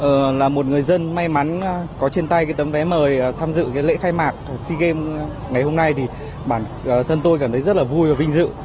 ờ là một người dân may mắn có trên tay cái tấm vé mời tham dự cái lễ khai mạc của sea games ngày hôm nay thì bản thân tôi cảm thấy rất là vui và vinh dự